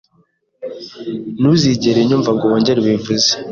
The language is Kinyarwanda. Ntuzigere unyumva ngo wongere ubivuze.